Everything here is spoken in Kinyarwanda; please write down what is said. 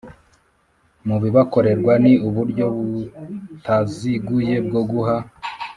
mu bibakorerwa Ni uburyo butaziguye bwo guha